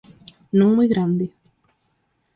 ¿Non moi grande?